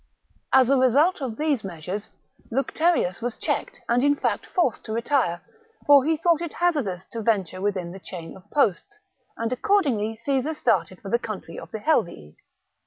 As a result of these measures, Lucterius was checked and in fact forced to retire, for he thought it hazardous to venture within the chain of posts ; and accordingly Caesar started for the country of the Helvii.